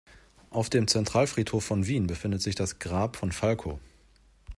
Auf dem Zentralfriedhof von Wien befindet sich das Grab von Falco.